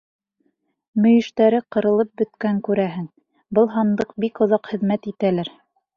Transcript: Мөйөштәре ҡырылып бөткән, күрәһең, был һандыҡ бик оҙаҡ хеҙмәт итәлер.